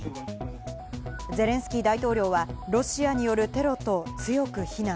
ゼレンスキー大統領はロシアによるテロと強く非難。